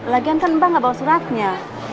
lagian kan mbak gak bawa suratnya